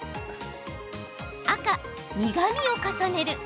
赤・苦みを重ねる！